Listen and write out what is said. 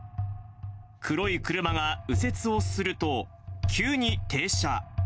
黒い車が右折をすると、急に停車。